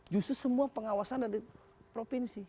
justru semua pengawasan ada di provinsi